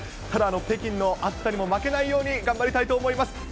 ただ北京の熱さにも負けないように頑張りたいと思います。